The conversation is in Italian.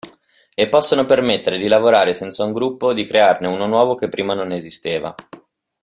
E possono permettere di lavorare senza un gruppo o di crearne uno nuovo che prima non esisteva.